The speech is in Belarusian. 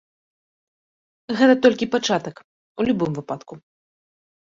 Гэта толькі пачатак, у любым выпадку.